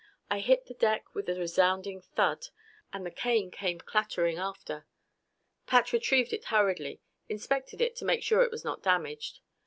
I hit the deck with a resounding thud, and the cane came clattering after. Pat retrieved it hurriedly, inspected it to make sure it was not damaged.